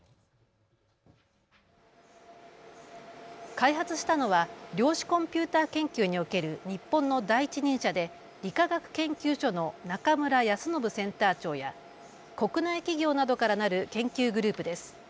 開発したのは量子コンピューター研究における日本の第一人者で理化学研究所の中村泰信センター長や国内企業などからなる研究グループです。